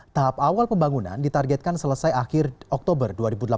tahap awal pembangunan ditargetkan selesai akhir oktober dua ribu delapan belas